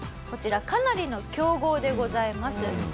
こちらかなりの強豪でございます。